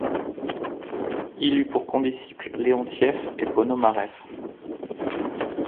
Il eut pour condisciples Leontiev et Ponomarev.